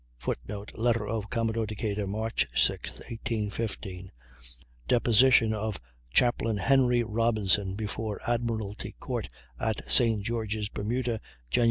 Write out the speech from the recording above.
[Footnote: Letter of Commodore Decatur, March 6, 1815; deposition of Chaplain Henry Robinson before Admiralty Court at St. Georges, Bermuda, Jan.